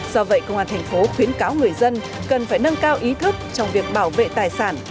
do vậy công an thành phố khuyến cáo người dân cần phải nâng cao ý thức trong việc bảo vệ tài sản